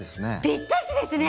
ぴったしですね！